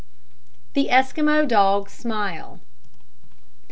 THE ESQUIMAUX DOG SMILE.